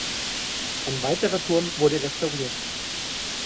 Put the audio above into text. Ein weiterer Turm wurde restauriert.